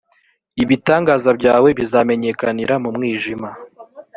ibitangaza byawe bizamenyekanira mu mwijima